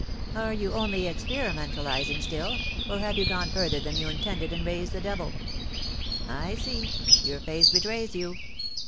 Are you only experimentalising still, or have you gone further than you intended and raised the devil? I see, your face betrays you.